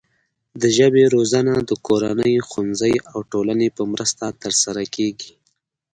د ژبې روزنه د کورنۍ، ښوونځي او ټولنې په مرسته ترسره کیږي.